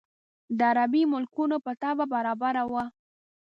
د عربي ملکونو په طبع برابره وه.